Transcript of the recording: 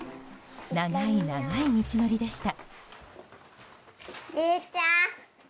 長い長い道のりでした。